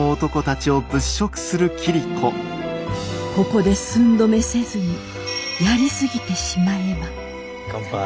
ここで寸止めせずにやり過ぎてしまえば乾杯。